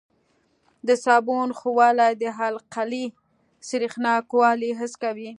د صابون ښویوالی د القلي سریښناکوالی حس کوي.